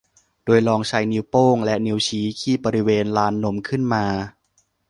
โดยลองใช้นิ้วโป้งและนิ้วชี้คีบบริเวณลานนมขึ้นมา